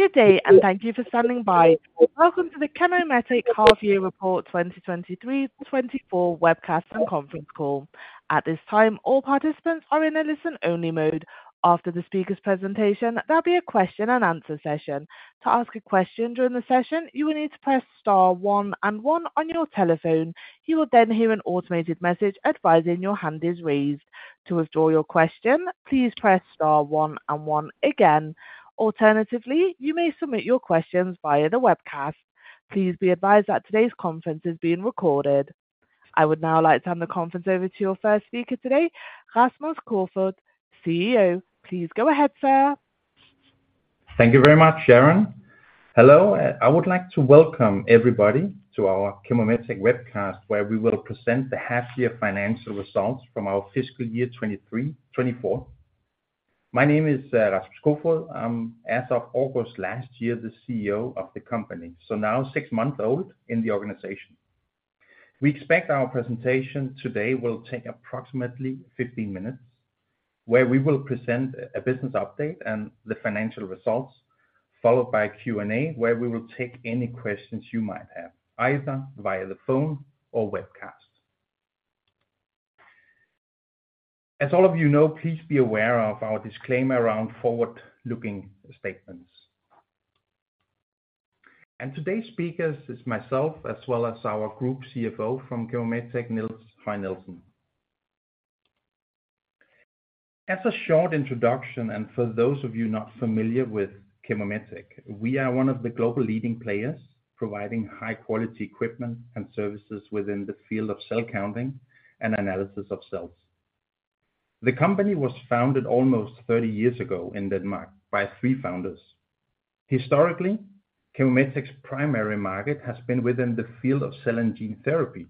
Good day, and thank you for standing by. Welcome to the ChemoMetec Half-Year Report 2023 to 2024 webcast and conference call. At this time, all participants are in a listen-only mode. After the speaker's presentation, there'll be a question and answer session. To ask a question during the session, you will need to press star one and one on your telephone. You will then hear an automated message advising your hand is raised. To withdraw your question, please press star one and one again. Alternatively, you may submit your questions via the webcast. Please be advised that today's conference is being recorded. I would now like to turn the conference over to your first speaker today, Rasmus Kofoed, CEO. Please go ahead, sir. Thank you very much, Sharon. Hello, I would like to welcome everybody to our ChemoMetec webcast, where we will present the half year financial results from our fiscal year 2023-2024. My name is Rasmus Kofoed. I'm, as of August last year, the CEO of the company, so now six months old in the organization. We expect our presentation today will take approximately 15 minutes, where we will present a business update and the financial results, followed by a Q&A, where we will take any questions you might have, either via the phone or webcast. As all of you know, please be aware of our disclaimer around forward-looking statements. Today's speakers are myself, as well as our group CFO from ChemoMetec, Niels Høy Nielsen. As a short introduction, and for those of you not familiar with ChemoMetec, we are one of the global leading players, providing high-quality equipment and services within the field of cell counting and analysis of cells. The company was founded almost 30 years ago in Denmark by three founders. Historically, ChemoMetec's primary market has been within the field of cell and gene therapy.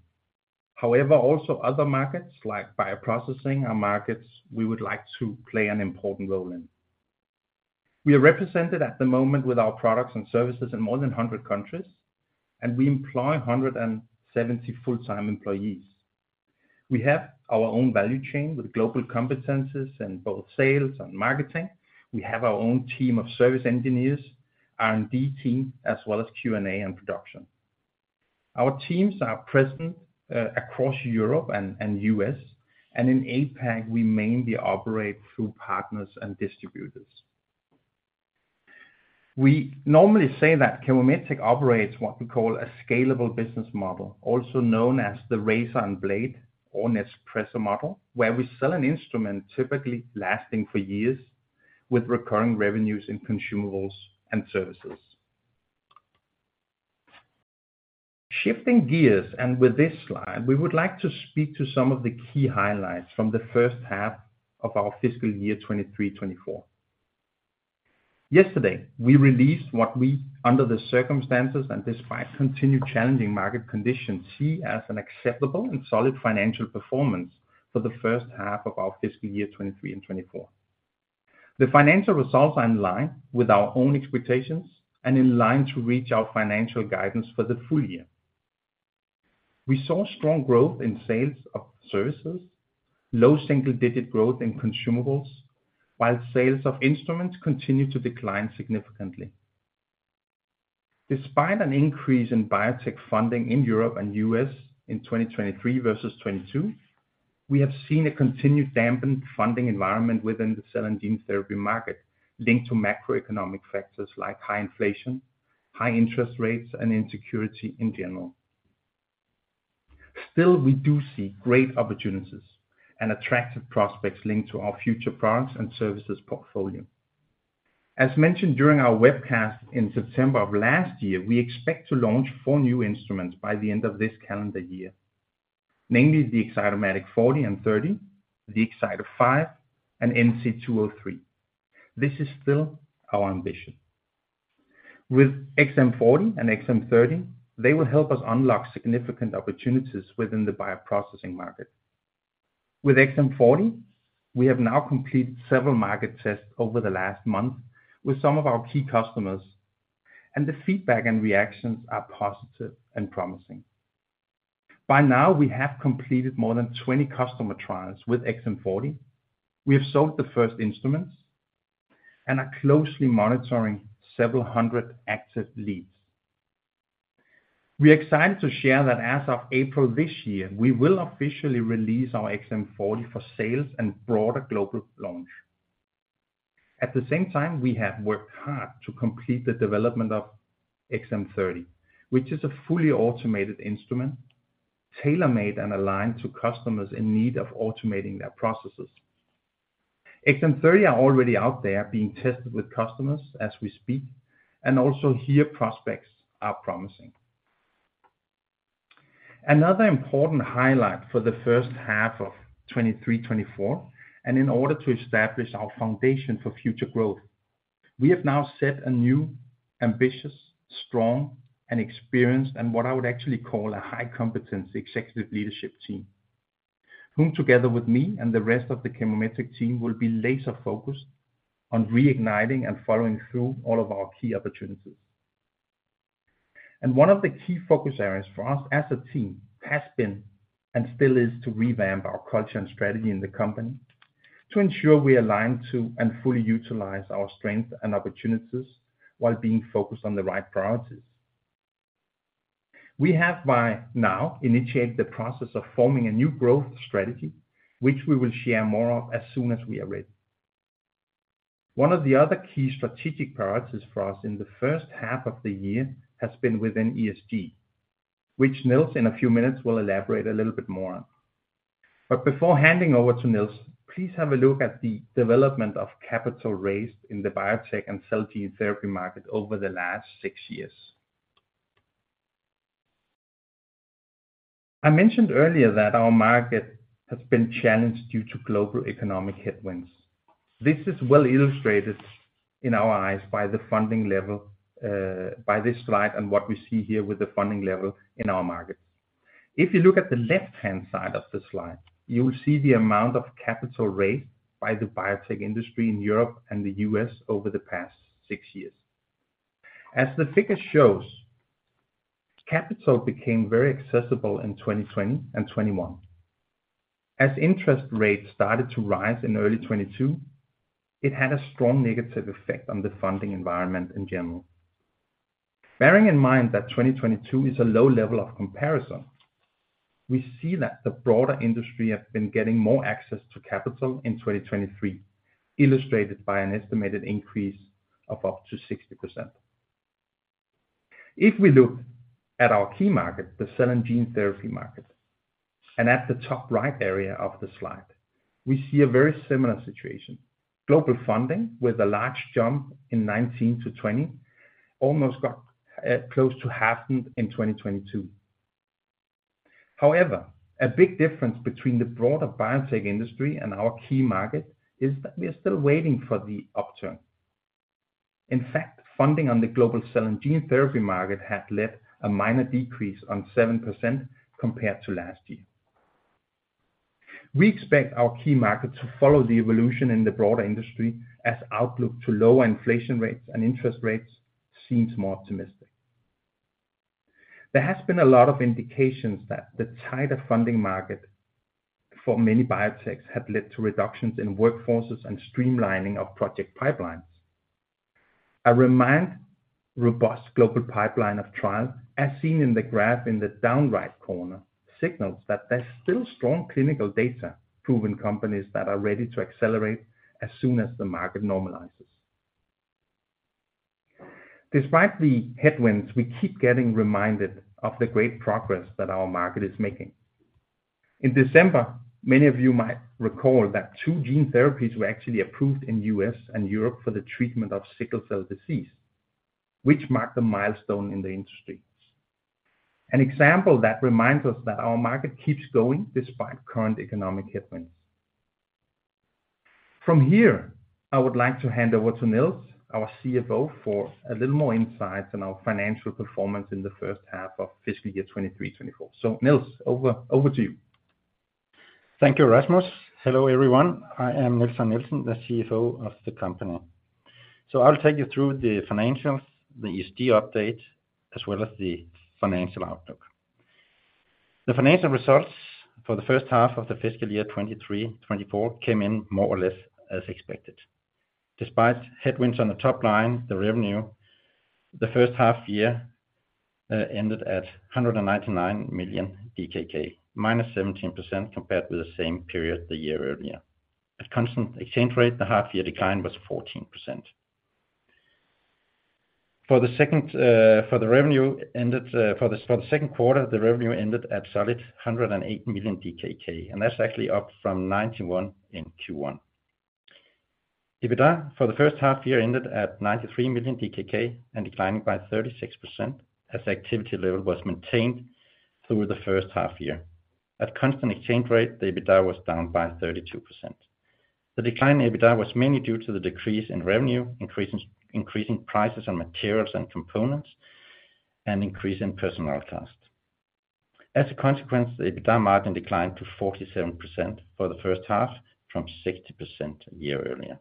However, also other markets like bioprocessing are markets we would like to play an important role in. We are represented at the moment with our products and services in more than 100 countries, and we employ 170 full-time employees. We have our own value chain with global competencies in both sales and marketing. We have our own team of service engineers, R&D team, as well as Q&A and production. Our teams are present across Europe and the U.S., and in APAC, we mainly operate through partners and distributors. We normally say that ChemoMetec operates what we call a scalable business model, also known as the razor and blade or Nespresso model, where we sell an instrument typically lasting for years with recurring revenues in consumables and services. Shifting gears, and with this slide, we would like to speak to some of the key highlights from the first half of our fiscal year 2023-2024. Yesterday, we released what we, under the circumstances and despite continued challenging market conditions, see as an acceptable and solid financial performance for the first half of our fiscal year 2023-2024. The financial results are in line with our own expectations and in line to reach our financial guidance for the full year. We saw strong growth in sales of services, low single-digit growth in consumables, while sales of instruments continued to decline significantly. Despite an increase in biotech funding in Europe and U.S. in 2023 versus 2022, we have seen a continued dampened funding environment within the cell and gene therapy market, linked to macroeconomic factors like high inflation, high interest rates, and insecurity in general. Still, we do see great opportunities and attractive prospects linked to our future products and services portfolio. As mentioned during our webcast in September of last year, we expect to launch four new instruments by the end of this calendar year. Namely, the XcytoMatic 40 and 30, the Xcyto 5, and NC-203. This is still our ambition. With XM40 and XM30, they will help us unlock significant opportunities within the bioprocessing market. With XM40, we have now completed several market tests over the last month with some of our key customers, and the feedback and reactions are positive and promising. By now, we have completed more than 20 customer trials with XM40. We have sold the first instruments and are closely monitoring several hundred active leads. We are excited to share that as of April this year, we will officially release our XM40 for sales and broader global launch. At the same time, we have worked hard to complete the development of XM30, which is a fully automated instrument, tailor-made and aligned to customers in need of automating their processes. XM30 are already out there being tested with customers as we speak, and also here prospects are promising. Another important highlight for the first half of 2023, 2024, and in order to establish our foundation for future growth, we have now set a new, ambitious, strong, and experienced, and what I would actually call a high-competency executive leadership team, whom, together with me and the rest of the ChemoMetec team, will be laser focused on reigniting and following through all of our key opportunities. One of the key focus areas for us as a team has been, and still is, to revamp our culture and strategy in the company, to ensure we align to and fully utilize our strengths and opportunities while being focused on the right priorities. We have by now initiated the process of forming a new growth strategy, which we will share more of as soon as we are ready. One of the other key strategic priorities for us in the first half of the year has been within ESG, which Niels, in a few minutes, will elaborate a little bit more on. But before handing over to Niels, please have a look at the development of capital raised in the biotech and cell gene therapy market over the last six years. I mentioned earlier that our market has been challenged due to global economic headwinds. This is well illustrated in our eyes by the funding level, by this slide, and what we see here with the funding level in our markets. If you look at the left-hand side of the slide, you will see the amount of capital raised by the biotech industry in Europe and the U.S. over the past six years. As the figure shows, capital became very accessible in 2020 and 2021. As interest rates started to rise in early 2022, it had a strong negative effect on the funding environment in general. Bearing in mind that 2022 is a low level of comparison, we see that the broader industry has been getting more access to capital in 2023, illustrated by an estimated increase of up to 60%. If we look at our key market, the cell and gene therapy market, and at the top right area of the slide, we see a very similar situation. Global funding, with a large jump in 2019 to 2020, almost got close to half in 2022. However, a big difference between the broader biotech industry and our key market is that we are still waiting for the upturn. In fact, funding on the global cell and gene therapy market had left a minor decrease on 7% compared to last year. We expect our key market to follow the evolution in the broader industry, as outlook to lower inflation rates and interest rates seems more optimistic. There has been a lot of indications that the tighter funding market for many biotechs had led to reductions in workforces and streamlining of project pipelines. As a reminder, robust global pipeline of trials, as seen in the graph in the lower-right corner, signals that there's still strong clinical data, proven companies that are ready to accelerate as soon as the market normalizes. Despite the headwinds, we keep getting reminded of the great progress that our market is making. In December, many of you might recall that two gene therapies were actually approved in the U.S. and Europe for the treatment of sickle cell disease, which marked a milestone in the industry. An example that reminds us that our market keeps going despite current economic headwinds. From here, I would like to hand over to Niels, our CFO, for a little more insight on our financial performance in the first half of fiscal year 2023-2024. So, Niels, over to you. Thank you, Rasmus. Hello, everyone. I am Niels Høy Nielsen, the CFO of the company. So I'll take you through the financials, the ESG update, as well as the financial outlook. The financial results for the first half of the fiscal year 2023-2024 came in more or less as expected. Despite headwinds on the top line, the revenue, the first half year ended at 199 million DKK, minus 17% compared with the same period the year earlier. At constant exchange rate, the half year decline was 14%. For the second quarter, the revenue ended at solid 108 million DKK, and that's actually up from 91 in Q1. EBITDA for the first half year ended at 93 million DKK, and declining by 36%, as activity level was maintained through the first half year. At constant exchange rate, the EBITDA was down by 32%. The decline in EBITDA was mainly due to the decrease in revenue, increasing prices on materials and components, and increase in personnel costs. As a consequence, the EBITDA margin declined to 47% for the first half, from 60% a year earlier.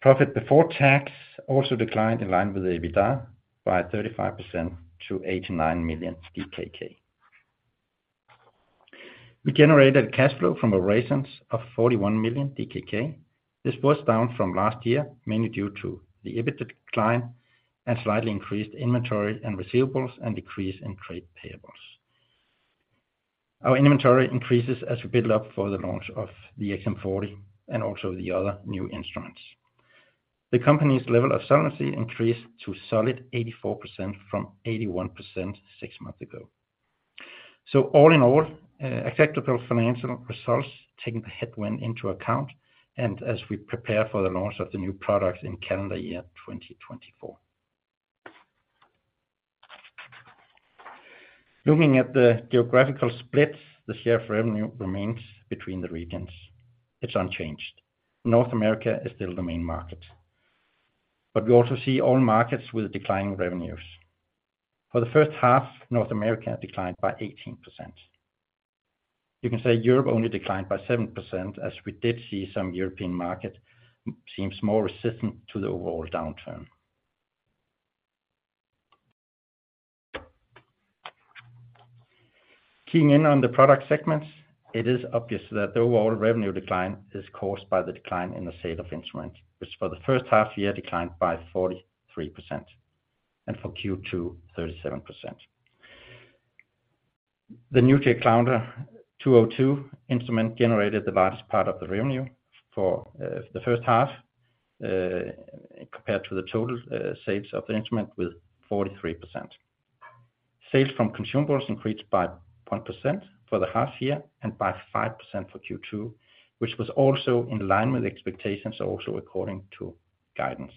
Profit before tax also declined in line with the EBITDA by 35% to DKK 89 million. We generated cash flow from operations of 41 million DKK. This was down from last year, mainly due to the EBITDA decline and slightly increased inventory and receivables and decrease in trade payables. Our inventory increases as we build up for the launch of the XM40 and also the other new instruments. The company's level of solvency increased to a solid 84% from 81% six months ago. So all in all, acceptable financial results, taking the headwind into account, and as we prepare for the launch of the new products in calendar year 2024. Looking at the geographical split, the share of revenue remains between the regions. It's unchanged. North America is still the main market, but we also see all markets with declining revenues. For the first half, North America declined by 18%.... You can say Europe only declined by 7%, as we did see some European market seems more resistant to the overall downturn. Keying in on the product segments, it is obvious that the overall revenue decline is caused by the decline in the sale of instruments, which for the first half year declined by 43%, and for Q2, 37%. The new NucleoCounter NC-202 instrument generated the largest part of the revenue for the first half compared to the total sales of the instrument with 43%. Sales from consumables increased by 1% for the half year and by 5% for Q2, which was also in line with expectations, also according to guidance.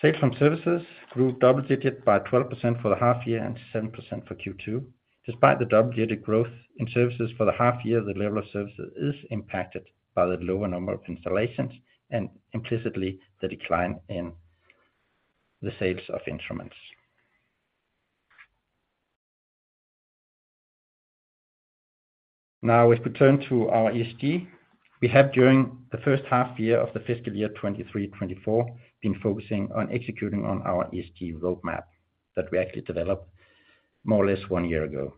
Sales from services grew double digits by 12% for the half year and 7% for Q2. Despite the double-digit growth in services for the half year, the level of services is impacted by the lower number of installations and implicitly the decline in the sales of instruments. Now, as we turn to our ESG, we have during the first half year of the fiscal year 2023-2024 been focusing on executing on our ESG roadmap that we actually developed more or less one year ago.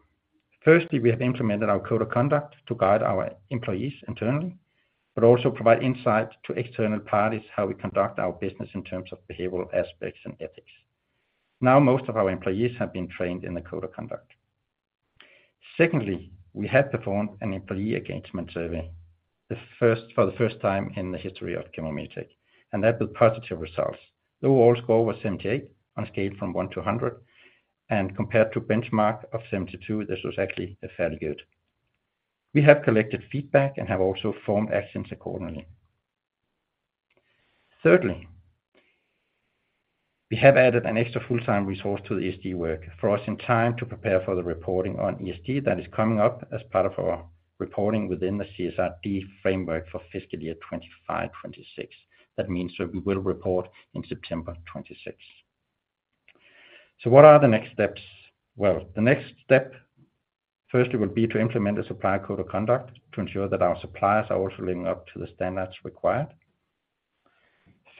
Firstly, we have implemented our Code of Conduct to guide our employees internally, but also provide insight to external parties how we conduct our business in terms of behavioral aspects and ethics. Now, most of our employees have been trained in the Code of Conduct. Secondly, we have performed an employee engagement survey, for the first time in the history of ChemoMetec, and that with positive results. The overall score was 78 on a scale from 1 to 100, and compared to benchmark of 72, this was actually fairly good. We have collected feedback and have also formed actions accordingly. Thirdly, we have added an extra full-time resource to the ESG work for us in time to prepare for the reporting on ESG that is coming up as part of our reporting within the CSRD framework for fiscal year 2025, 2026. That means that we will report in September 2026. So what are the next steps? Well, the next step, firstly, will be to implement a supplier code of conduct to ensure that our suppliers are also living up to the standards required.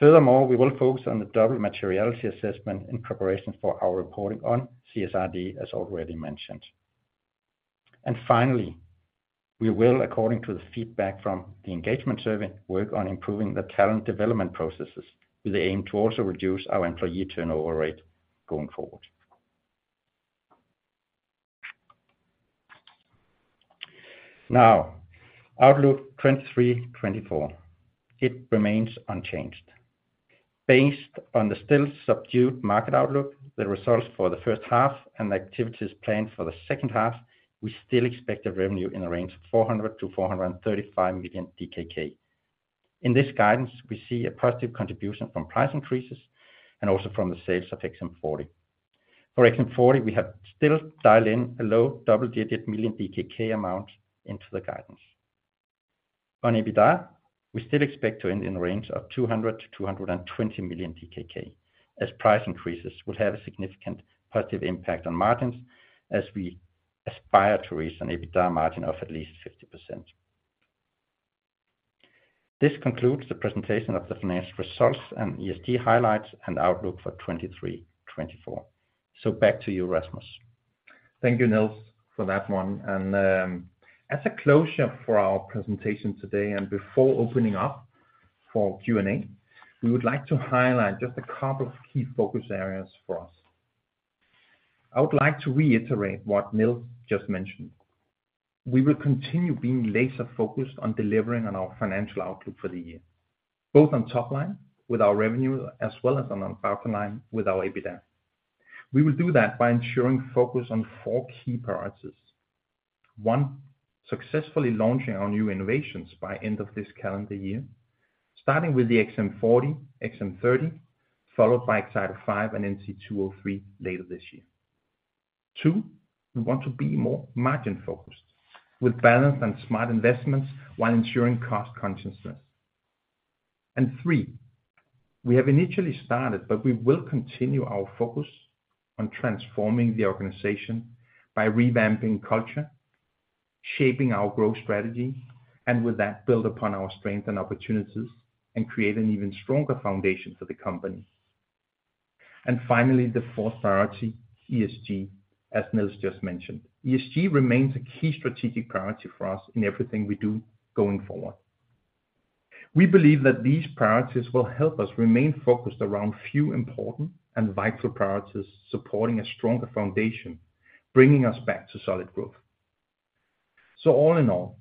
Furthermore, we will focus on the double materiality assessment in preparation for our reporting on CSRD, as already mentioned. And finally, we will, according to the feedback from the engagement survey, work on improving the talent development processes with the aim to also reduce our employee turnover rate going forward. Now, outlook 2023, 2024, it remains unchanged. Based on the still subdued market outlook, the results for the first half and the activities planned for the second half, we still expect a revenue in the range of 400 million-435 million DKK. In this guidance, we see a positive contribution from price increases and also from the sales of XM40. For XM40, we have still dialed in a low double-digit million DKK amount into the guidance. On EBITDA, we still expect to end in a range of 200 million-220 million DKK, as price increases will have a significant positive impact on margins as we aspire to reach an EBITDA margin of at least 50%. This concludes the presentation of the financial results and ESG highlights and outlook for 2023, 2024. So back to you, Rasmus. Thank you, Niels, for that one. As a closure for our presentation today and before opening up for Q&A, we would like to highlight just a couple of key focus areas for us. I would like to reiterate what Niels just mentioned. We will continue being laser focused on delivering on our financial outlook for the year, both on top line with our revenue as well as on our bottom line with our EBITDA. We will do that by ensuring focus on four key priorities. One, successfully launching our new innovations by end of this calendar year, starting with the XM40, XM30, followed by Xcyto 5 and NC-203 later this year. Two, we want to be more margin focused with balanced and smart investments while ensuring cost consciousness. And three, we have initially started, but we will continue our focus on transforming the organization by revamping culture, shaping our growth strategy, and with that, build upon our strengths and opportunities and create an even stronger foundation for the company. And finally, the fourth priority, ESG, as Niels just mentioned. ESG remains a key strategic priority for us in everything we do going forward. We believe that these priorities will help us remain focused around few important and vital priorities, supporting a stronger foundation, bringing us back to solid growth. So all in all,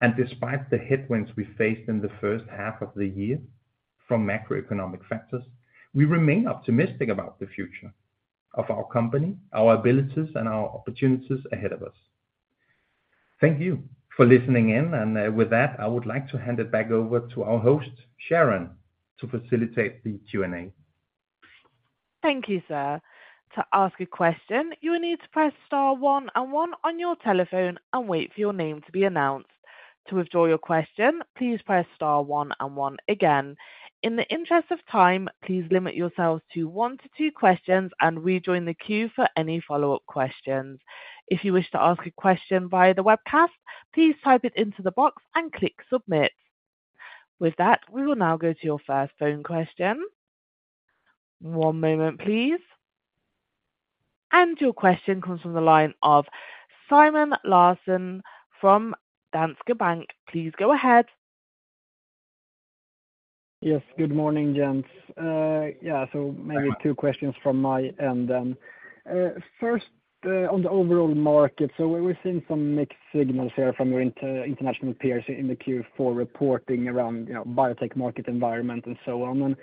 and despite the headwinds we faced in the first half of the year from macroeconomic factors, we remain optimistic about the future of our company, our abilities, and our opportunities ahead of us. Thank you for listening in, and, with that, I would like to hand it back over to our host, Sharon, to facilitate the Q&A. Thank you, sir. To ask a question, you will need to press star one and one on your telephone and wait for your name to be announced.... To withdraw your question, please press star one and one again. In the interest of time, please limit yourselves to one to two questions and rejoin the queue for any follow-up questions. If you wish to ask a question via the webcast, please type it into the box and click submit. With that, we will now go to your first phone question. One moment, please. And your question comes from the line of Simon Larsson from Danske Bank. Please go ahead. Yes, good morning, gents. Yeah, so maybe two questions from my end then. First, on the overall market, so we're seeing some mixed signals here from your international peers in the Q4 reporting around, you know, biotech market environment and so on. And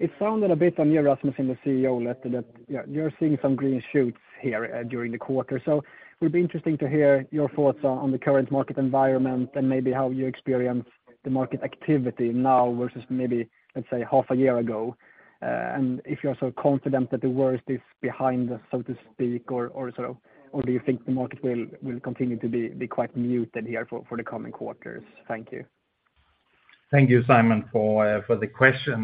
it sounded a bit on you, Rasmus, and the CEO letter that, yeah, you're seeing some green shoots here during the quarter. So it'd be interesting to hear your thoughts on the current market environment and maybe how you experience the market activity now versus maybe, let's say, half a year ago. And if you're also confident that the worst is behind us, so to speak, or, or sort of—or do you think the market will continue to be quite muted here for the coming quarters? Thank you. Thank you, Simon, for the question.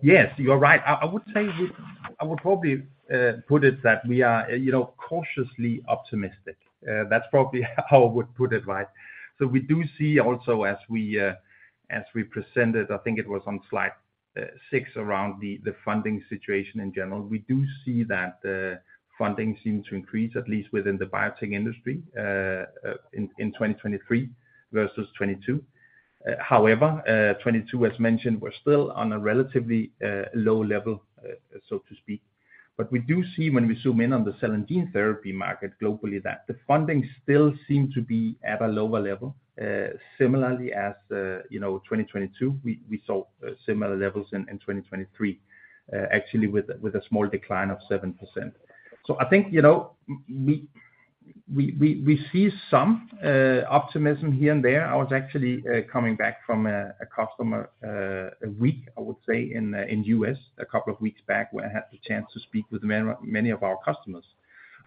Yes, you're right. I would say we—I would probably put it that we are, you know, cautiously optimistic. That's probably how I would put it, right? So we do see also as we presented, I think it was on slide 6, around the funding situation in general. We do see that funding seems to increase, at least within the biotech industry, in 2023 versus 2022. However, 2022, as mentioned, we're still on a relatively low level, so to speak. But we do see when we zoom in on the cell and gene therapy market globally, that the funding still seem to be at a lower level, similarly as, you know, 2022, we saw similar levels in 2023, actually with a small decline of 7%. So I think, you know, we see some optimism here and there. I was actually coming back from a customer a week, I would say, in the U.S., a couple of weeks back, where I had the chance to speak with many, many of our customers.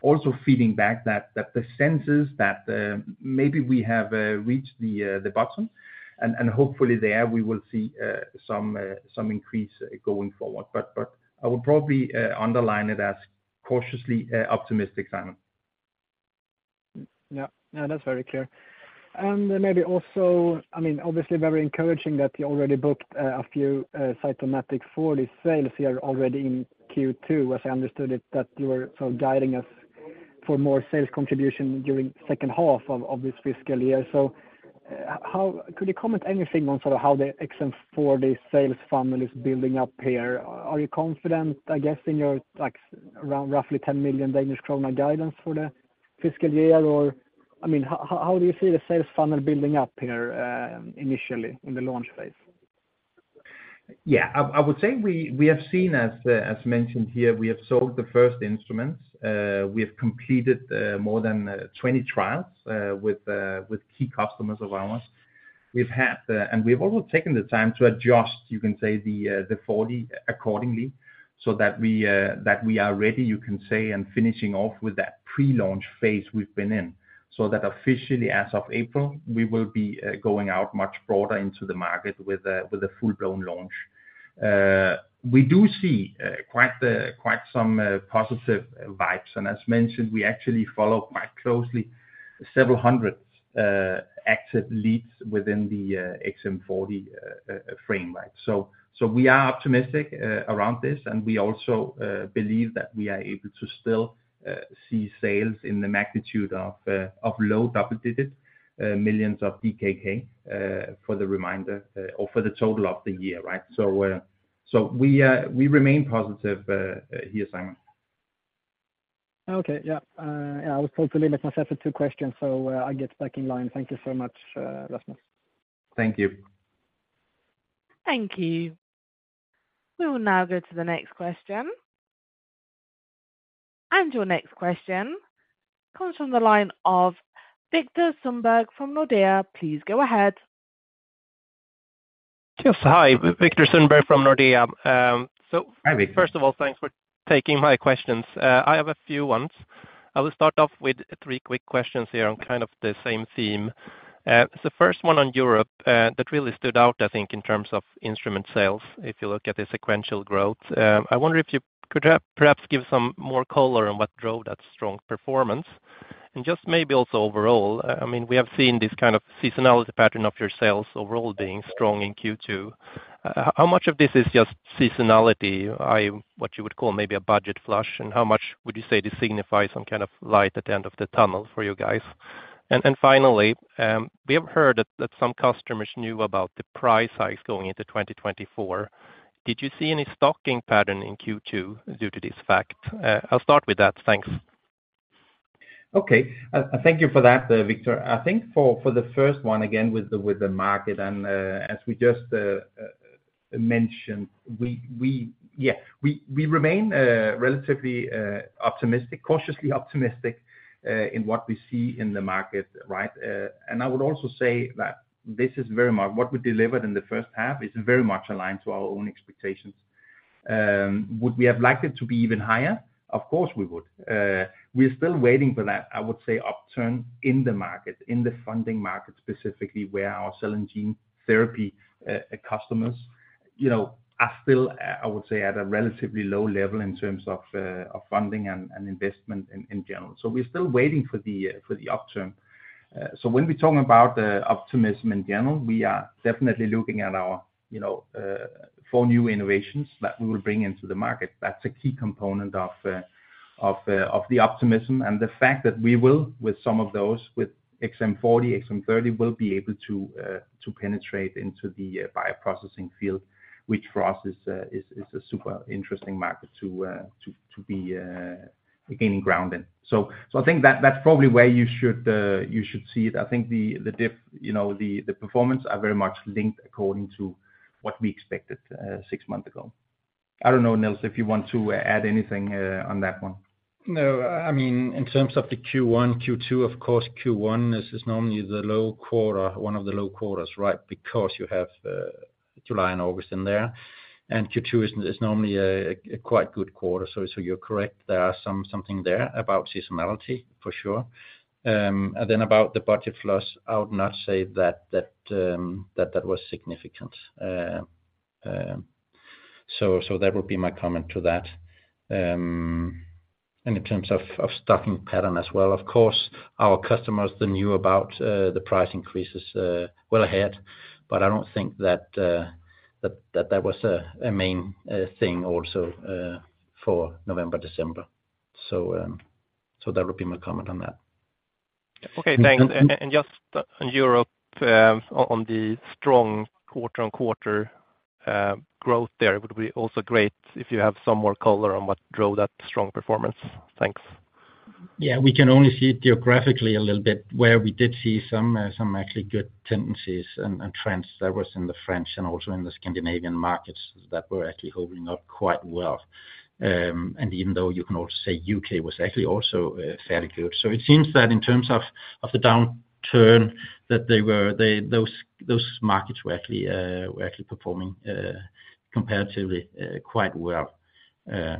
Also feeding back that the sense is that maybe we have reached the bottom, and hopefully there we will see some increase going forward. But I would probably underline it as cautiously optimistic, Simon. Yeah. Yeah, that's very clear. And maybe also... I mean, obviously very encouraging that you already booked a few XcytoMatic 40 sales here already in Q2, as I understood it, that you were sort of guiding us for more sales contribution during second half of this fiscal year. So, how could you comment anything on sort of how the XM40 sales funnel is building up here? Are you confident, I guess, in your, like, around roughly 10 million Danish krone guidance for the fiscal year? Or, I mean, how, how do you see the sales funnel building up here initially in the launch phase? Yeah, I would say we have seen, as mentioned here, we have sold the first instruments. We have completed more than 20 trials with key customers of ours. We've had, and we've also taken the time to adjust, you can say, the 40 accordingly, so that we are ready, you can say, and finishing off with that pre-launch phase we've been in. So that officially as of April, we will be going out much broader into the market with a full-blown launch. We do see quite the, quite some positive vibes. And as mentioned, we actually follow quite closely several hundred active leads within the XM40 frame, right? So we are optimistic around this, and we also believe that we are able to still see sales in the magnitude of low double digits millions of DKK for the remainder or for the total of the year, right? So we remain positive here, Simon. Okay. Yeah. Yeah, I will probably limit myself to two questions, so, I'll get back in line. Thank you so much, Rasmus. Thank you. Thank you. We will now go to the next question. Your next question comes from the line of Viktor Sundberg from Nordea. Please go ahead. Yes, hi, Viktor Sundberg from Nordea. Hi, Viktor. First of all, thanks for taking my questions. I have a few ones. I will start off with three quick questions here on kind of the same theme. The first one on Europe that really stood out, I think, in terms of instrument sales, if you look at the sequential growth. I wonder if you could perhaps, perhaps give some more color on what drove that strong performance. And just maybe also overall, I mean, we have seen this kind of seasonality pattern of your sales overall being strong in Q2. How much of this is just seasonality, i.e., what you would call maybe a budget flush? And how much would you say this signifies some kind of light at the end of the tunnel for you guys? Finally, we have heard that some customers knew about the price hike going into 2024. Did you see any stocking pattern in Q2 due to this fact? I'll start with that. Thanks. Okay. Thank you for that, Viktor. I think for the first one, again, with the market and, as we just mentioned, we-- yeah, we remain relatively optimistic, cautiously optimistic, in what we see in the market, right? And I would also say that this is very much what we delivered in the first half is very much aligned to our own expectations. Would we have liked it to be even higher? Of course, we would. We're still waiting for that, I would say, upturn in the market, in the funding market, specifically where our cell and gene therapy customers, you know, are still, I would say, at a relatively low level in terms of funding and investment in general. So we're still waiting for the upturn. So when we talk about the optimism in general, we are definitely looking at our, you know, four new innovations that we will bring into the market. That's a key component of the optimism and the fact that we will, with some of those, with XM40, XM30, will be able to penetrate into the bioprocessing field, which for us is a super interesting market to be gaining ground in. So I think that's probably where you should see it. I think the diff- you know, the performance are very much linked according to what we expected six months ago. I don't know, Nils, if you want to add anything on that one. No, I mean, in terms of the Q1, Q2, of course, Q1 is normally the low quarter, one of the low quarters, right? Because you have July and August in there, and Q2 is normally a quite good quarter. So you're correct, there is something there about seasonality, for sure. And then about the budget loss, I would not say that that was significant. So that would be my comment to that. And in terms of stocking pattern as well, of course, our customers, they knew about the price increases well ahead, but I don't think that that was a main thing also for November, December. So that would be my comment on that. Okay, thanks. And just on Europe, on the strong quarter-on-quarter growth there, it would also be great if you have some more color on what drove that strong performance. Thanks. Yeah, we can only see it geographically a little bit, where we did see some some actually good tendencies and, and trends. That was in the French and also in the Scandinavian markets that were actually holding up quite well. And even though you can also say UK was actually also fairly good. So it seems that in terms of, of the downturn, that they were, they, those, those markets were actually, were actually performing comparatively quite well. Yeah.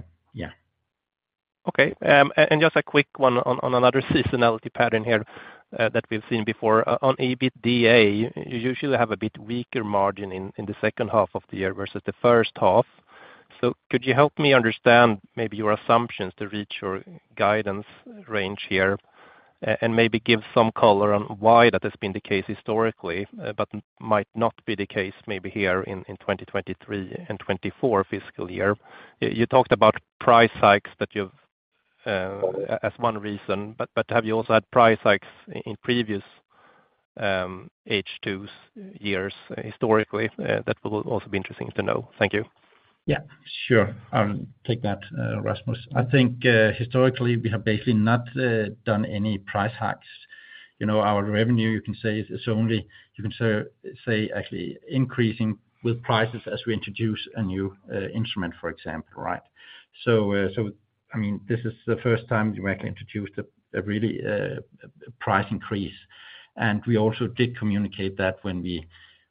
Okay. And just a quick one on another seasonality pattern here that we've seen before. On EBITDA, you usually have a bit weaker margin in the second half of the year versus the first half. So could you help me understand maybe your assumptions to reach your guidance range here? And maybe give some color on why that has been the case historically, but might not be the case maybe here in 2023 and 2024 fiscal year. You talked about price hikes that you've as one reason, but have you also had price hikes in previous H2s years historically? That will also be interesting to know. Thank you. Yeah, sure. I'll take that, Rasmus. I think, historically we have basically not done any price hikes. You know, our revenue, you can say, is only, you can say, say, actually increasing with prices as we introduce a new instrument, for example, right? So, so I mean, this is the first time we actually introduced a really price increase. And we also did communicate that when we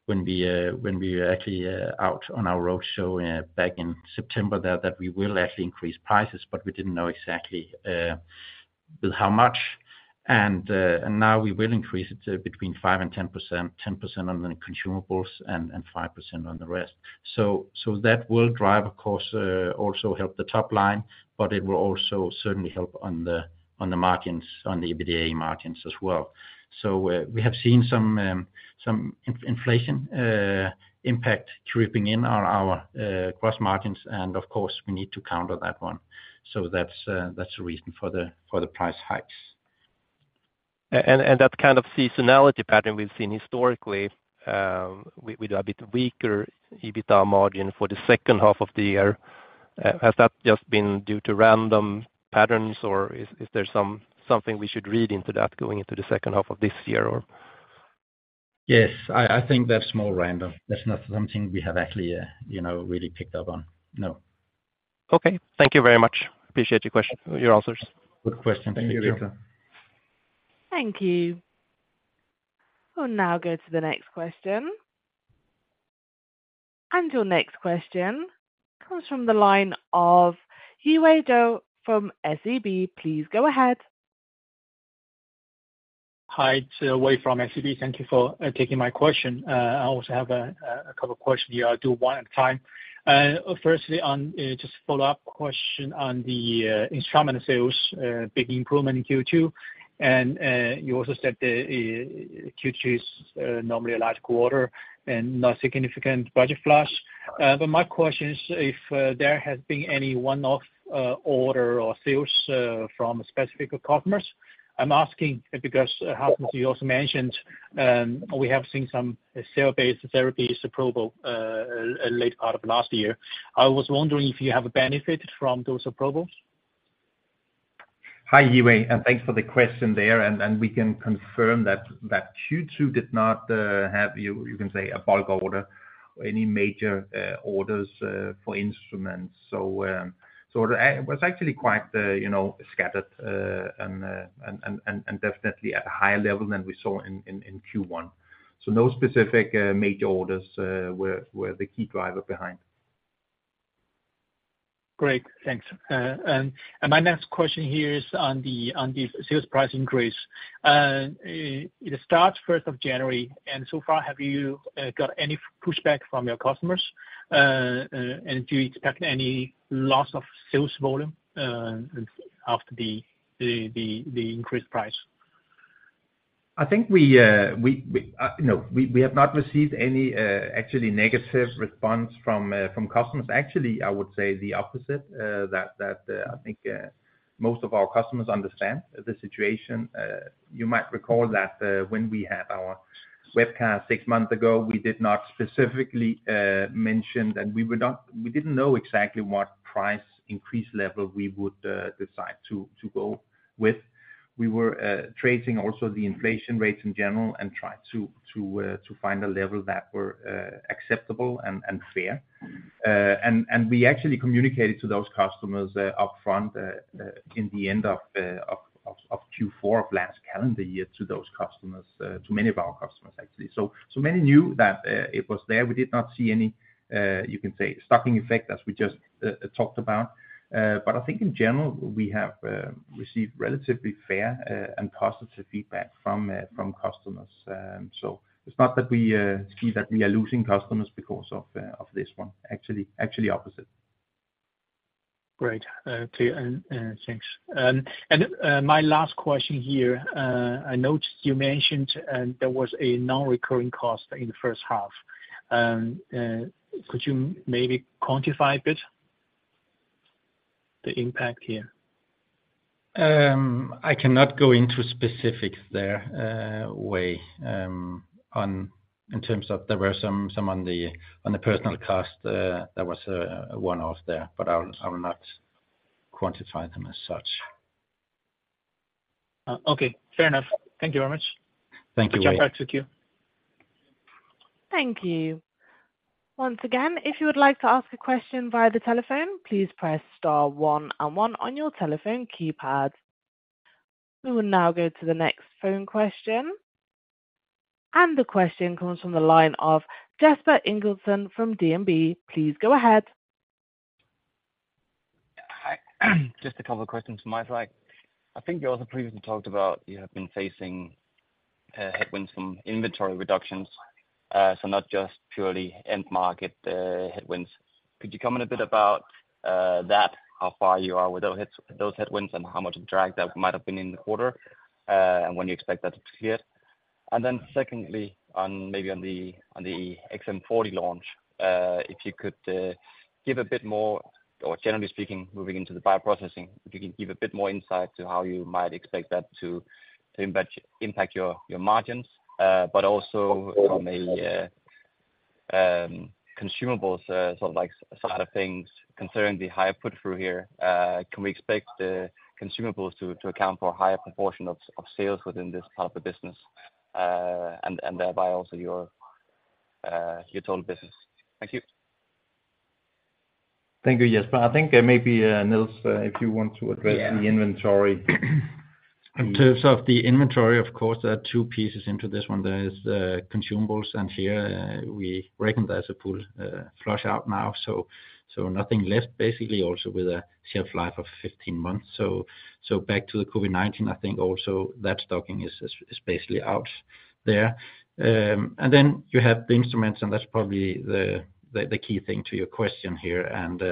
were actually out on our roadshow back in September, that we will actually increase prices, but we didn't know exactly how much. And now we will increase it to between 5% and 10%, 10% on the consumables and 5% on the rest. So that will drive, of course, also help the top line, but it will also certainly help on the margins, on the EBITDA margins as well. So, we have seen some inflation impact dripping in on our gross margins, and of course, we need to counter that one. So that's the reason for the price hikes. And that kind of seasonality pattern we've seen historically, with a bit weaker EBITDA margin for the second half of the year, has that just been due to random patterns, or is there something we should read into that going into the second half of this year, or? Yes, I think that's more random. That's not something we have actually, you know, really picked up on. No. Okay. Thank you very much. Appreciate your question, your answers. Good question. Thank you. Thank you. We'll now go to the next question. Your next question comes from the line of Yiwei Zhou from SEB. Please go ahead. Hi, it's Yiwei from SEB. Thank you for taking my question. I also have a couple of questions here. I'll do one at a time. Firstly, on just a follow-up question on the instrument sales, big improvement in Q2. And you also said that Q2 is normally a large quarter and not significant budget flush. But my question is if there has been any one-off order or sales from specific customers? I'm asking because, how you also mentioned, we have seen some cell-based therapies approval late part of last year. I was wondering if you have benefited from those approvals. Hi, Yiwei, and thanks for the question there, and we can confirm that Q2 did not have, you can say, a bulk order or any major orders for instruments. So, so it was actually quite, you know, scattered, and definitely at a higher level than we saw in Q1. So no specific major orders were the key driver behind. ... Great, thanks. And my next question here is on the sales price increase. It starts first of January, and so far, have you got any pushback from your customers? And do you expect any loss of sales volume after the increased price? I think we have not received any actually negative response from customers. Actually, I would say the opposite, that I think most of our customers understand the situation. You might recall that, when we had our webcast six months ago, we did not specifically mention, and we were not—we didn't know exactly what price increase level we would decide to go with. We were tracing also the inflation rates in general and try to find a level that were acceptable and fair. And we actually communicated to those customers upfront in the end of Q4 of last calendar year to those customers, to many of our customers, actually. So, so many knew that, it was there. We did not see any, you can say stocking effect as we just, talked about. But I think in general, we have received relatively fair, and positive feedback from, from customers. So it's not that we see that we are losing customers because of, of this one, actually, actually opposite. Great, clear, and thanks. And my last question here, I noticed you mentioned there was a non-recurring cost in the first half. Could you maybe quantify a bit the impact here? I cannot go into specifics there, Wei, in terms of there were some on the personal cost. There was a one-off there, but I will not quantify them as such. Okay, fair enough. Thank you very much. Thank you, Yiwei. Back to you. Thank you. Once again, if you would like to ask a question via the telephone, please press star one and one on your telephone keypad. We will now go to the next phone question, and the question comes from the line of Jesper Ingildsen from DNB. Please go ahead. Hi. Just a couple of questions from my side. I think you also previously talked about you have been facing, headwinds from inventory reductions, so not just purely end market, headwinds. Could you comment a bit about, that, how far you are with those headwinds, and how much of drag that might have been in the quarter? And when you expect that to clear. And then secondly, on the XM40 launch, if you could give a bit more, or generally speaking, moving into the bioprocessing, if you can give a bit more insight to how you might expect that to impact your margins, but also from a consumables sort of like side of things, considering the higher throughput here, can we expect the consumables to account for a higher proportion of sales within this part of the business, and thereby also your total business? Thank you. Thank you, Jesper. I think there may be, Niels, if you want to address the inventory. In terms of the inventory, of course, there are two pieces into this one. There is the consumables, and here, we recognize a pool flush out now, so nothing left, basically, also with a shelf life of 15 months. So back to the COVID-19, I think also that stocking is basically out there. And then you have the instruments, and that's probably the key thing to your question here. And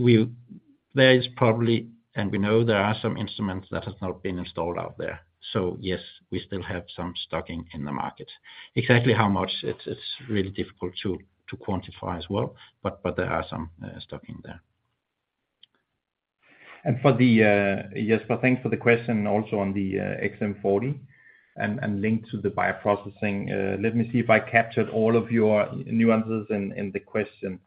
there is probably, and we know there are some instruments that has not been installed out there. So yes, we still have some stocking in the market. Exactly how much, it's really difficult to quantify as well, but there are some stocking there. For the, Jesper, thanks for the question, also on the, XM40 and, and linked to the bioprocessing. Let me see if I captured all of your nuances in, in the question.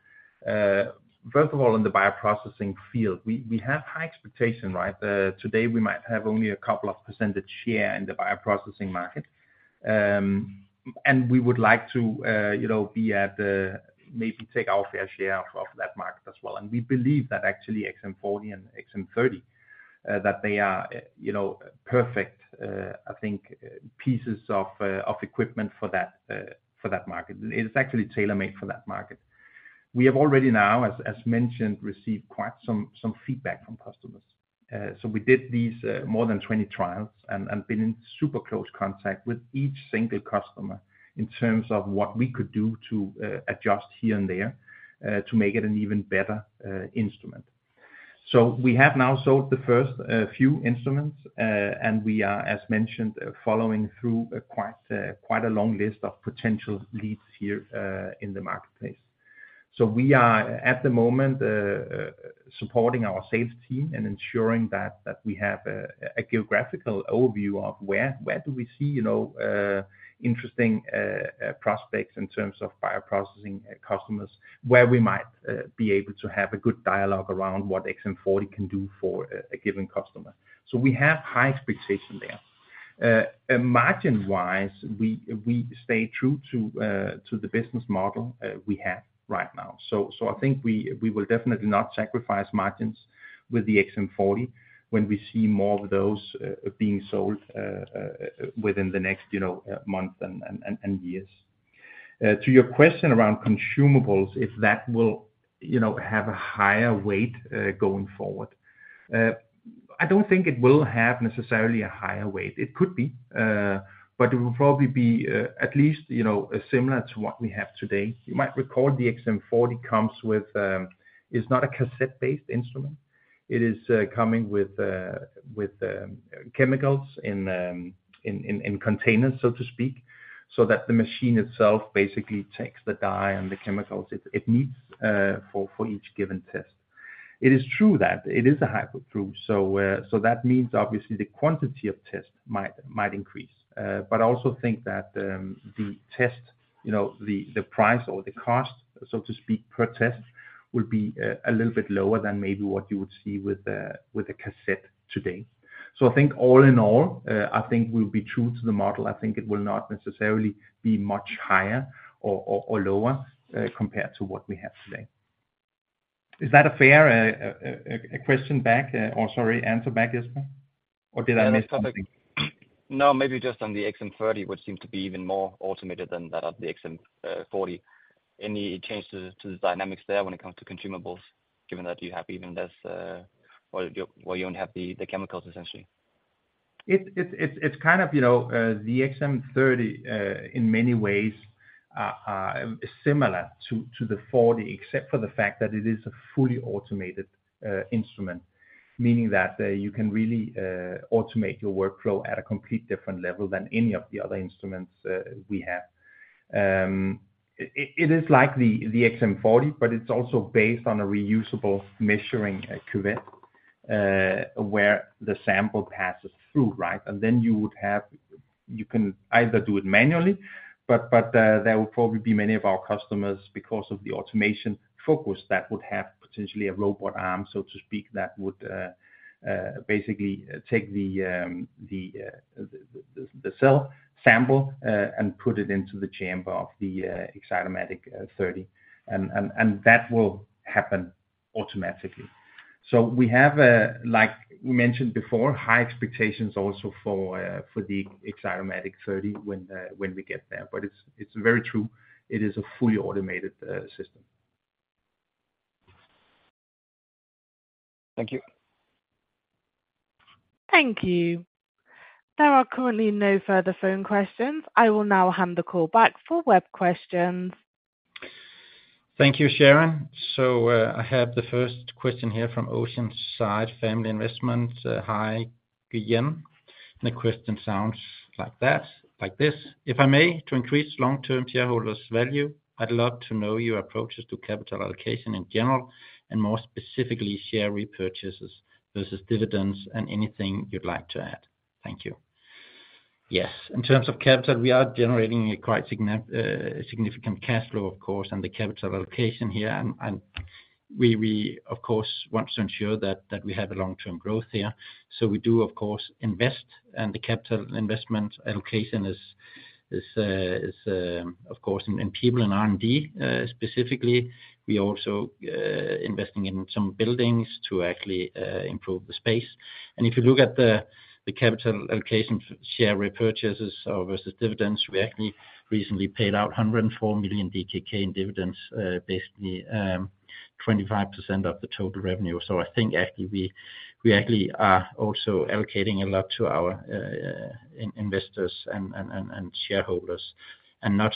First of all, in the bioprocessing field, we, we have high expectation, right? Today, we might have only a couple of percentage share in the bioprocessing market. And we would like to, you know, be at, maybe take our fair share of, of that market as well. And we believe that actually XM40 and XM30, that they are, you know, perfect, I think, pieces of, of equipment for that, for that market. It's actually tailor-made for that market. We have already now, as, as mentioned, received quite some, some feedback from customers. So we did these more than 20 trials and been in super close contact with each single customer in terms of what we could do to adjust here and there to make it an even better instrument. So we have now sold the first few instruments and we are, as mentioned, following through quite a long list of potential leads here in the marketplace. So we are, at the moment, supporting our sales team and ensuring that we have a geographical overview of where do we see, you know, interesting prospects in terms of bioprocessing customers, where we might be able to have a good dialogue around what XM40 can do for a given customer. So we have high expectation there. Margin-wise, we stay true to the business model we have right now. So I think we will definitely not sacrifice margins with the XM40 when we see more of those being sold within the next, you know, month and years. To your question around consumables, if that will, you know, have a higher weight going forward. I don't think it will have necessarily a higher weight. It could be, but it will probably be at least, you know, similar to what we have today. You might recall the XM40 comes with, it's not a cassette-based instrument. It is coming with chemicals in containers, so to speak, so that the machine itself basically takes the dye and the chemicals it needs for each given test. It is true that it is a higher throughput. So that means obviously the quantity of tests might increase. But I also think that the test, you know, the price or the cost, so to speak, per test, will be a little bit lower than maybe what you would see with a cassette today. So I think all in all, I think we'll be true to the model. I think it will not necessarily be much higher or lower compared to what we have today. Is that a fair question back, or sorry, answer back, Jesper? Or did I miss something? No, maybe just on the XM30, which seems to be even more automated than that of the XM40. Any changes to the dynamics there when it comes to consumables, given that you have even less, or you, or you only have the, the chemicals essentially? It's kind of, you know, the XM30 in many ways is similar to the 40, except for the fact that it is a fully automated instrument. Meaning that you can really automate your workflow at a complete different level than any of the other instruments we have. It is like the XM40, but it's also based on a reusable measuring cuvette where the sample passes through, right? Then you can either do it manually, but there will probably be many of our customers, because of the automation focus, that would have potentially a robot arm, so to speak, that would basically take the cell sample and put it into the chamber of the XcytoMatic 30, and that will happen automatically. So we have, like we mentioned before, high expectations also for the XcytoMatic 30, when we get there. But it's very true, it is a fully automated system. Thank you. Thank you. There are currently no further phone questions. I will now hand the call back for web questions. Thank you, Sharon. So, I have the first question here from Oceanside Family Investment. Hi, Guillaume. The question sounds like that, like this: If I may, to increase long-term shareholders' value, I'd love to know your approaches to capital allocation in general, and more specifically, share repurchases versus dividends, and anything you'd like to add. Thank you. Yes, in terms of capital, we are generating a quite significant cash flow, of course, and the capital allocation here. And we, of course, want to ensure that we have a long-term growth here. So we do, of course, invest, and the capital investment allocation is, of course, in people in R&D, specifically. We also investing in some buildings to actually improve the space. If you look at the capital allocation for share repurchases versus dividends, we actually recently paid out 104 million DKK in dividends, basically 25% of the total revenue. So I think actually, we actually are also allocating a lot to our investors and shareholders, and not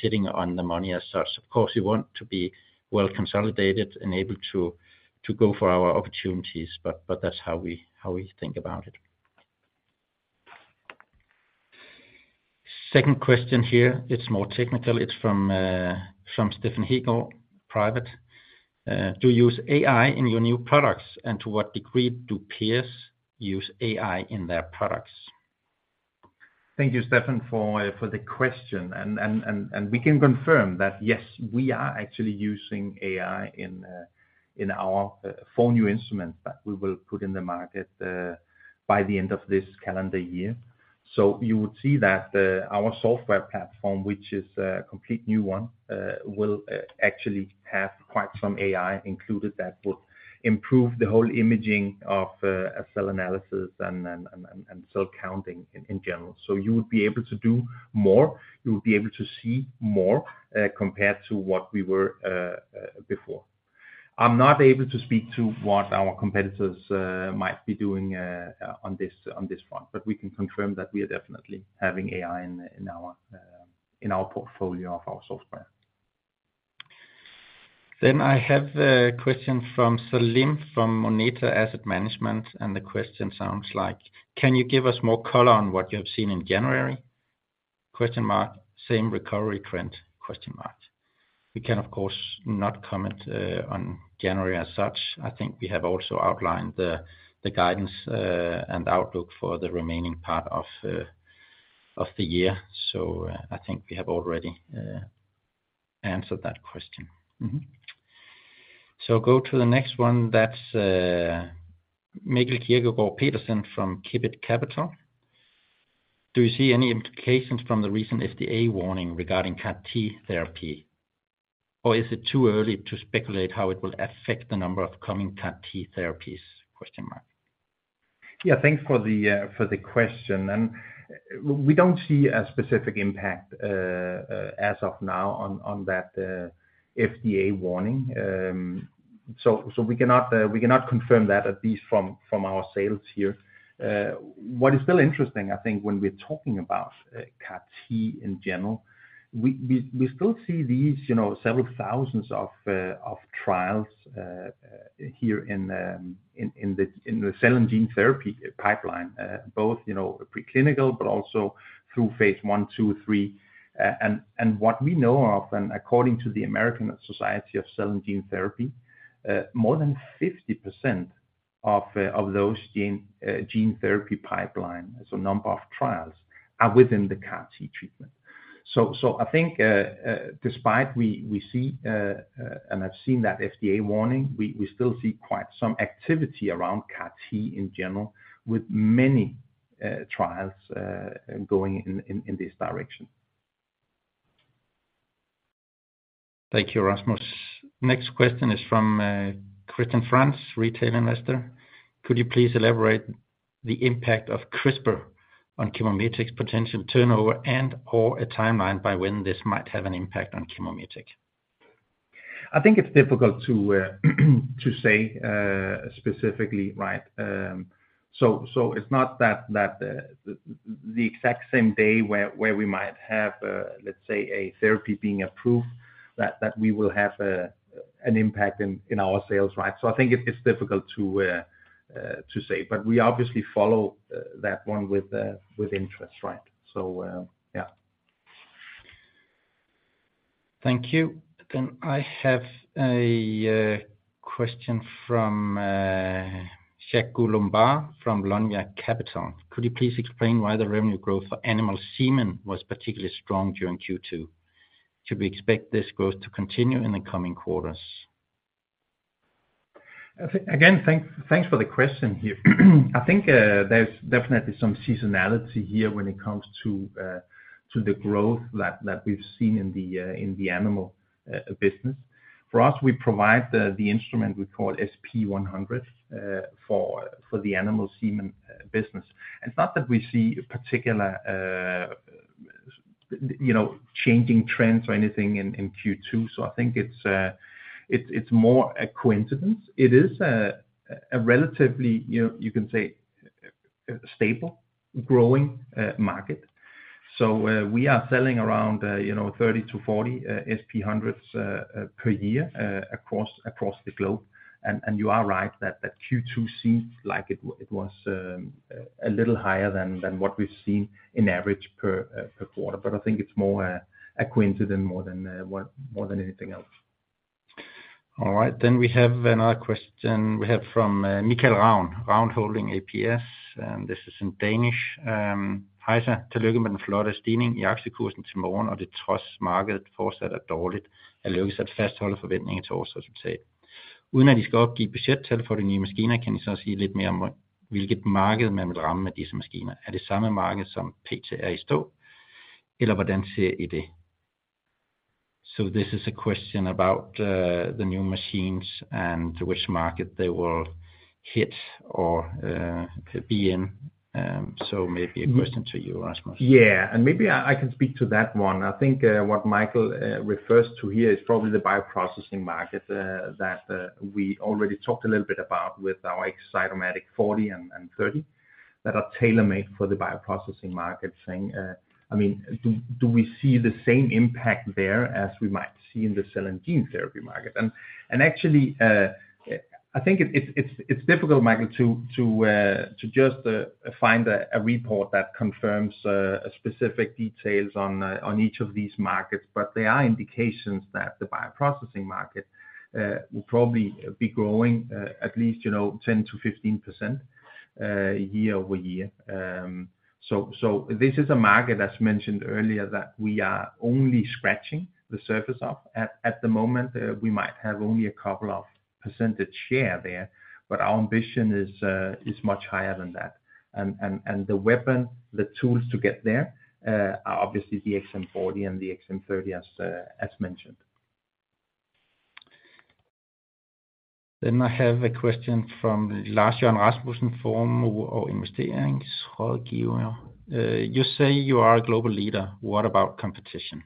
sitting on the money as such. Of course, we want to be well consolidated and able to go for our opportunities, but that's how we think about it. Second question here, it's more technical. It's from Stefan Hegel, private. "Do you use AI in your new products? And to what degree do peers use AI in their products?" Thank you, Stefan, for the question. We can confirm that yes, we are actually using AI in our four new instruments that we will put in the market by the end of this calendar year. So you would see that our software platform, which is a complete new one, will actually have quite some AI included that would improve the whole imaging of a cell analysis and cell counting in general. So you would be able to do more, you would be able to see more compared to what we were before. I'm not able to speak to what our competitors might be doing on this front, but we can confirm that we are definitely having AI in our portfolio of our software. Then I have a question from Salim, from Moneta Asset Management, and the question sounds like: "Can you give us more color on what you have seen in January? Question mark. Same recovery trend, question mark." We can, of course, not comment on January as such. I think we have also outlined the, the guidance and outlook for the remaining part of, of the year. So, I think we have already answered that question. Mm-hmm. So go to the next one. That's, Mikkel Kierkegaard Petersen from Kipet Capital. "Do you see any implications from the recent FDA warning regarding CAR-T therapy, or is it too early to speculate how it will affect the number of coming CAR-T therapies? Question mark."... Yeah, thanks for the, for the question. We don't see a specific impact, as of now on that FDA warning. So we cannot confirm that, at least from our sales here. What is still interesting, I think when we're talking about CAR-T in general, we still see these, you know, several thousands of trials here in the cell and gene therapy pipeline. Both, you know, preclinical, but also through phase one, two, three. And what we know of, and according to the American Society of Cell and Gene Therapy, more than 50% of those gene therapy pipeline, so number of trials, are within the CAR-T treatment. So, I think, despite, we see, and I've seen that FDA warning, we still see quite some activity around CAR-T in general, with many trials going in this direction. Thank you, Rasmus. Next question is from Christian Frantz, retail investor. Could you please elaborate the impact of CRISPR on ChemoMetec's potential turnover and/or a timeline by when this might have an impact on ChemoMetec? I think it's difficult to say specifically, right. So, it's not that the exact same day where we might have, let's say, a therapy being approved, that we will have an impact in our sales, right? So I think it's difficult to say, but we obviously follow that one with interest, right. So, yeah. Thank you. Then I have a question from Shegu Lombard from Lumia Capital. Could you please explain why the revenue growth for animal semen was particularly strong during Q2? Should we expect this growth to continue in the coming quarters? Again, thanks, thanks for the question here. I think, there's definitely some seasonality here when it comes to, to the growth that, that we've seen in the, in the animal, business. For us, we provide the, the instrument we call SP-100, for, for the animal semen business. It's not that we see a particular, you know, changing trends or anything in, in Q2. So I think it's, it's, it's more a coincidence. It is a, a relatively, you, you can say, stable growing, market. So, we are selling around, you know, 30-40 SP-100s, per year, across, across the globe. And, and you are right that, that Q2 seems like it was, a little higher than, than what we've seen in average per, per quarter. But I think it's more acquainted than anything else. All right, then we have another question we have from Michael Raun, Raun Holding ApS, and this is in Danish. So this is a question about the new machines and which market they will hit or be in. So maybe a question to you, Rasmus. Yeah, and maybe I can speak to that one. I think what Michael refers to here is probably the bioprocessing market that we already talked a little bit about with our XcytoMatic 40 and 30, that are tailor-made for the bioprocessing market thing. I mean, do we see the same impact there as we might see in the cell and gene therapy market? Actually, I think it's difficult, Michael, to just find a report that confirms specific details on each of these markets. But there are indications that the bioprocessing market will probably be growing at least, you know, 10%-15% year-over-year. So this is a market that's mentioned earlier, that we are only scratching the surface of. At the moment, we might have only a couple of percentage share there, but our ambition is much higher than that. And the weapon, the tools to get there are obviously the XM40 and the XM30, as mentioned. I have a question from Lars John Rasmussen, investor uh, You say you are a global leader. What about competition?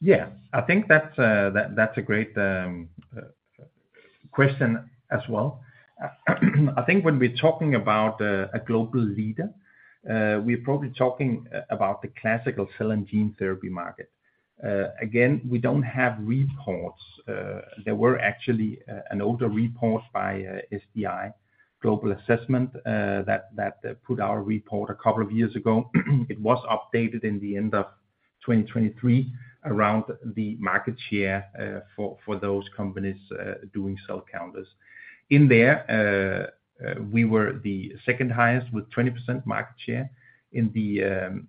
Yeah, I think that's, that, that's a great question as well. I think when we're talking about a global leader, we're probably talking about the classical cell and gene therapy market. Again, we don't have reports. There were actually an older report by SDI Global Assessment, that put our report a couple of years ago. It was updated in the end of 2023 around the market share, for those companies doing cell counters. In there, we were the second highest with 20% market share in the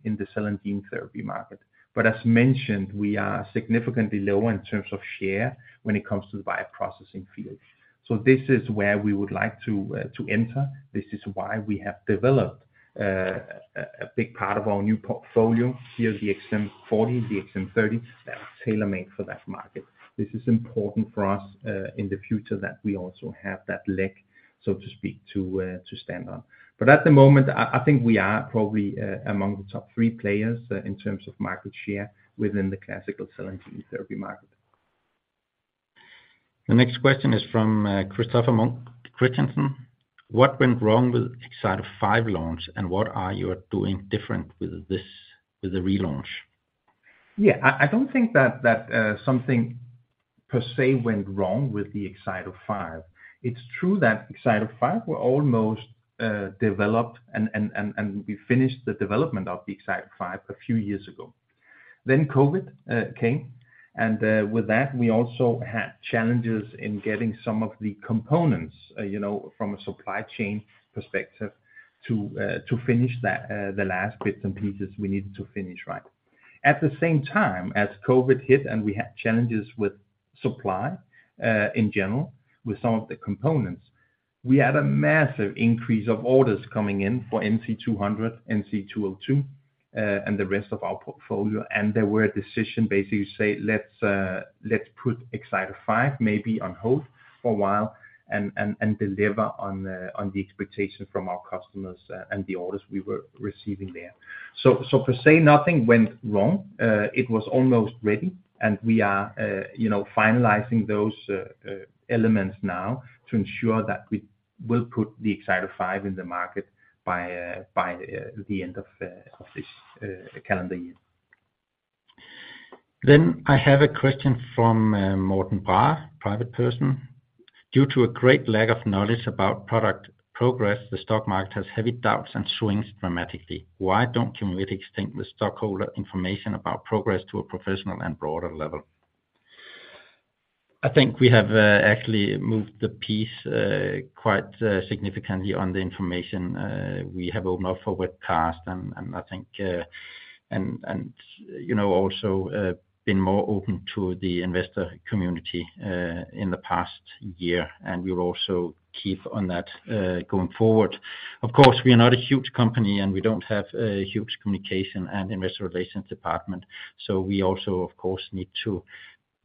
in the cell and gene therapy market. But as mentioned, we are significantly lower in terms of share when it comes to the bioprocessing field. So this is where we would like to enter. This is why we have developed, a big part of our new portfolio, here, the XM40, the XM30, that are tailor-made for that market. This is important for us, in the future that we also have that leg, so to speak, to stand on. But at the moment, I think we are probably, among the top three players, in terms of market share within the classical cell and gene therapy market.... The next question is from Christoffer Munk Christensen. What went wrong with Xcyto 5 launch, and what are you doing different with this, with the relaunch? Yeah, I don't think that something per se went wrong with the Xcyto 5. It's true that Xcyto 5 was almost developed and we finished the development of the Xcyto 5 a few years ago. Then COVID came, and with that, we also had challenges in getting some of the components, you know, from a supply chain perspective, to finish that, the last bits and pieces we needed to finish, right? At the same time, as COVID hit, and we had challenges with supply in general with some of the components, we had a massive increase of orders coming in for NC-200, NC-202, and the rest of our portfolio. There were a decision basically to say, let's put Xcyto 5 maybe on hold for a while and deliver on the expectation from our customers and the orders we were receiving there. So per se, nothing went wrong. It was almost ready, and we are, you know, finalizing those elements now to ensure that we will put the Xcyto 5 in the market by the end of this calendar year. Then I have a question from Morten Braa, private person. Due to a great lack of knowledge about product progress, the stock market has heavy doubts and swings dramatically. Why don't ChemoMetec extend the stockholder information about progress to a professional and broader level? I think we have actually moved the piece quite significantly on the information. We have opened up for webcast, and I think you know also been more open to the investor community in the past year, and we will also keep on that going forward. Of course, we are not a huge company, and we don't have a huge communication and investor relations department, so we also, of course, need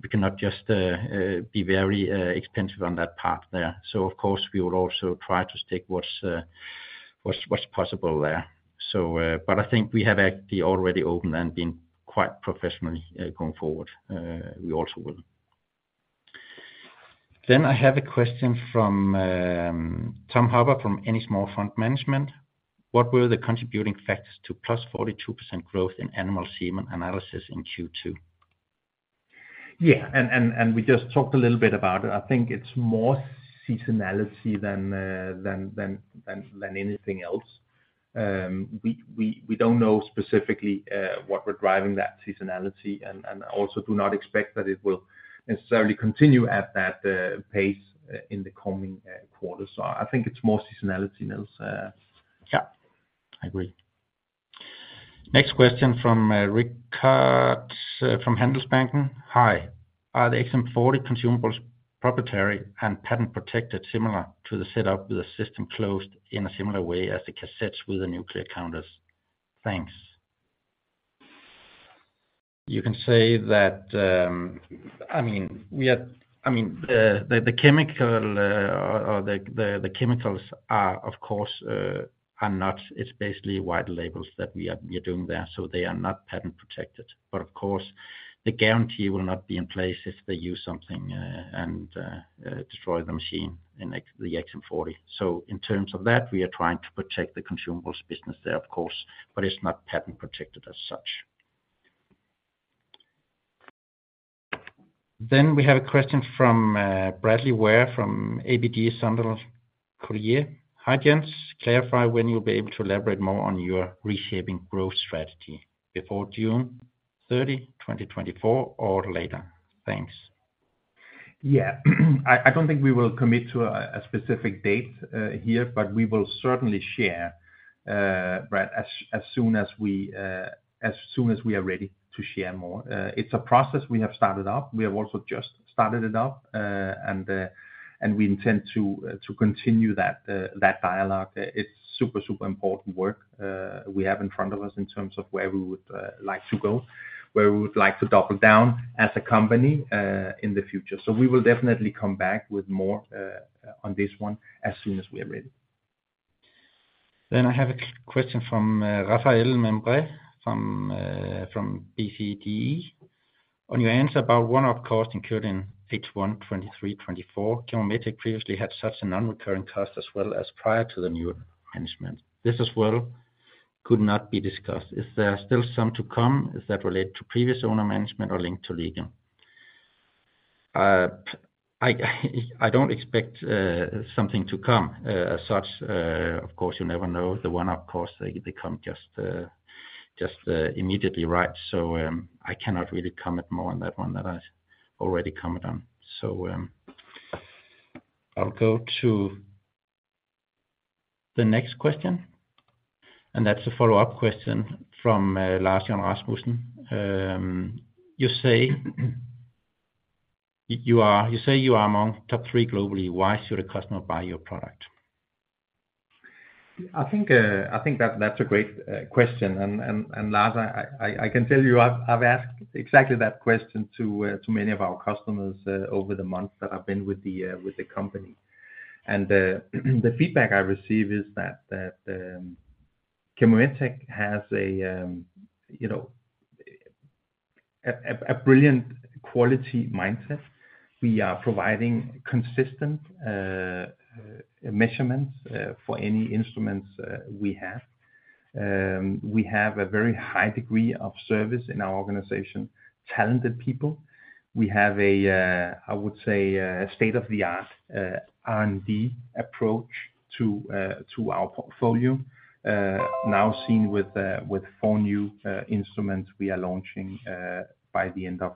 to—we cannot just be very expensive on that part there. So of course, we will also try to stick to what's possible there. So, but I think we have actually already opened and been quite professional going forward. We also will. Then I have a question from Tom Hopper from Ennismore Fund Management. What were the contributing factors to +42% growth in animal semen analysis in Q2? Yeah, and we just talked a little bit about it. I think it's more seasonality than anything else. We don't know specifically what we're driving that seasonality and also do not expect that it will necessarily continue at that pace in the coming quarters. So I think it's more seasonality than else. Yeah, I agree. Next question from Rickard Anderkrans from Handelsbanken. Hi, are the XM40 consumables proprietary and patent protected, similar to the setup with a system closed in a similar way as the cassettes with the NucleoCounters? Thanks. You can say that. I mean, we are. I mean, the chemical or the chemicals are, of course, are not. It's basically white labels that we are doing there, so they are not patent protected. But of course, the guarantee will not be in place if they use something and destroy the machine in, e.g., the XM40. So in terms of that, we are trying to protect the consumables business there, of course, but it's not patent protected as such. We have a question from Bradley Ware, from ABG Sundal Collier. Hi, Jens. Clarify when you'll be able to elaborate more on your reshaping growth strategy. Before June 30, 2024 or later? Thanks. Yeah. I don't think we will commit to a specific date, Brad, as soon as we are ready to share more. It's a process we have started up. We have also just started it up, and we intend to continue that dialogue. It's super, super important work we have in front of us in terms of where we would like to go, where we would like to double down as a company in the future. So we will definitely come back with more on this one as soon as we are ready. Then I have a question from Raphael Membre from Degroof Petercam. On your answer about one-off cost included in H1 2023-2024, ChemoMetec previously had such a non-recurring cost as well as prior to the new management. This as well could not be discussed. Is there still some to come? Is that related to previous owner management or linked to [legal]? I don't expect something to come as such. Of course, you never know. The one-off costs, they become just immediately, right? So, I cannot really comment more on that one that I already commented on. So, I'll go to the next question, and that's a follow-up question from Lars John Rasmussen. You say you are among top three globally. Why should a customer buy your product? I think, I think that's, that's a great question. And Lars, I can tell you, I've asked exactly that question to many of our customers over the months that I've been with the company. And the feedback I receive is that ChemoMetec has a, you know, a brilliant quality mindset. We are providing consistent measurements for any instruments we have. We have a very high degree of service in our organization, talented people. We have, I would say, a state-of-the-art R&D approach to our portfolio, now seen with the four new instruments we are launching by the end of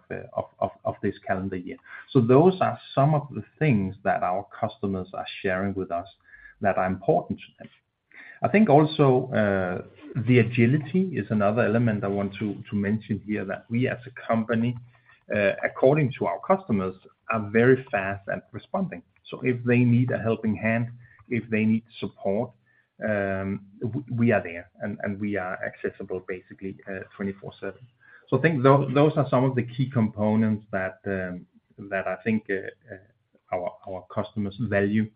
this calendar year. So those are some of the things that our customers are sharing with us that are important to them. I think also, the agility is another element I want to mention here, that we as a company, according to our customers, are very fast at responding. So if they need a helping hand, if they need support, we are there, and we are accessible basically, 24/7. So I think those are some of the key components that I think our customers value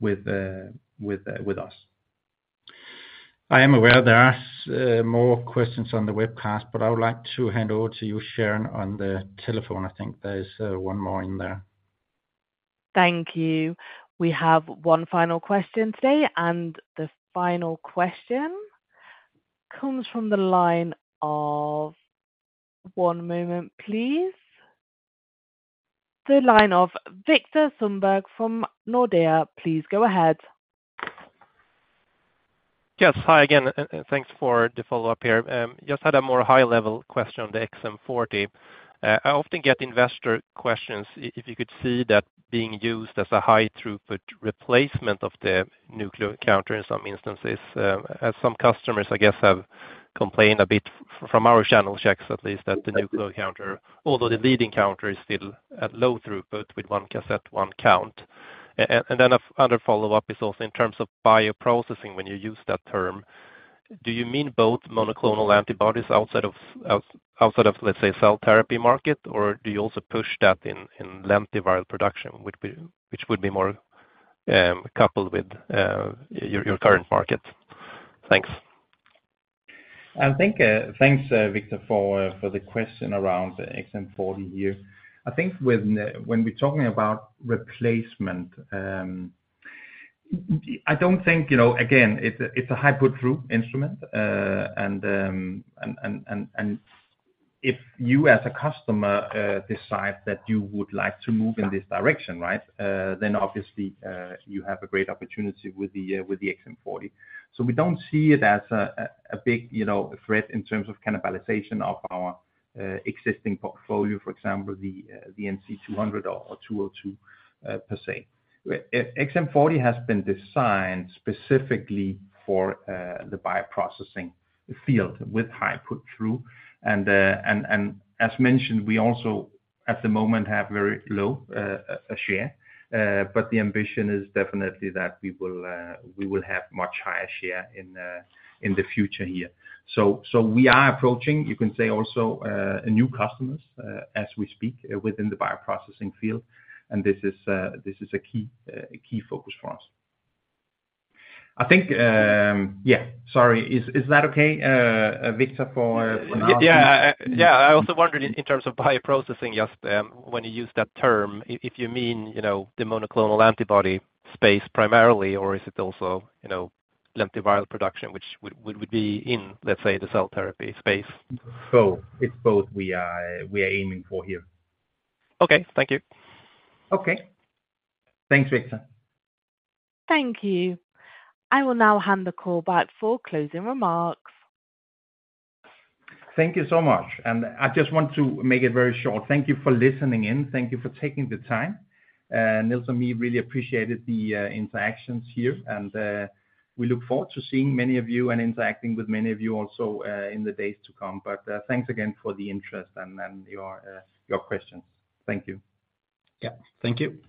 with us. I am aware there are more questions on the webcast, but I would like to hand over to you, Sharon, on the telephone. I think there is one more in there. Thank you. We have one final question today, and the final question comes from the line of... One moment, please. The line of Viktor Sundberg from Nordea. Please go ahead. Yes, hi again, and thanks for the follow-up here. Just had a more high-level question on the XM40. I often get investor questions, if you could see that being used as a high-throughput replacement of the NucleoCounter in some instances, as some customers, I guess, have complained a bit from our channel checks at least, that the NucleoCounter, although the leading counter, is still at low throughput with one cassette, one count. And then another follow-up is also in terms of bioprocessing, when you use that term, do you mean both monoclonal antibodies outside of outside of, let's say, cell therapy market? Or do you also push that in, in lentiviral production, which would be more coupled with your current market? Thanks. I think, thanks, Viktor, for the question around the XM40 here. I think when we're talking about replacement, I don't think, you know, again, it's a high-throughput instrument. And if you, as a customer, decide that you would like to move in this direction, right? Then obviously, you have a great opportunity with the XM40. So we don't see it as a big, you know, a threat in terms of cannibalization of our existing portfolio, for example, the NC 200 or 202, per se. XM40 has been designed specifically for the bioprocessing field with high-throughput. And as mentioned, we also, at the moment, have very low share. But the ambition is definitely that we will have much higher share in the future here. So we are approaching, you can say also, new customers as we speak, within the bioprocessing field, and this is a key focus for us. I think, yeah. Sorry, is that okay, Viktor, for an answer? Yeah. Yeah, I also wondered in terms of bioprocessing, just, when you use that term, if you mean, you know, the monoclonal antibody space primarily, or is it also, you know, lentiviral production, which would be in, let's say, the cell therapy space? So it's both we are, we are aiming for here. Okay, thank you. Okay. Thanks, Viktor. Thank you. I will now hand the call back for closing remarks. Thank you so much, and I just want to make it very short. Thank you for listening in. Thank you for taking the time, Niels and me really appreciated the interactions here, and we look forward to seeing many of you and interacting with many of you also in the days to come. But thanks again for the interest and your questions. Thank you. Yeah. Thank you.